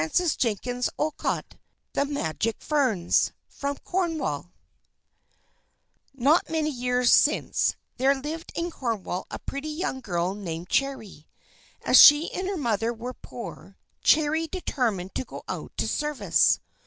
_ Old Ballad THE MAGIC FERNS From Cornwall Not many years since there lived in Cornwall a pretty young girl named Cherry. As she and her mother were poor, Cherry determined to go out to service.